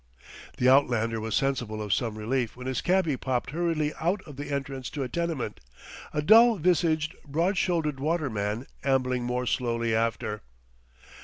The outlander was sensible of some relief when his cabby popped hurriedly out of the entrance to a tenement, a dull visaged, broad shouldered waterman ambling more slowly after.